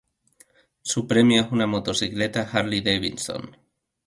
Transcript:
Su premio es una motocicleta Harley-Davidson.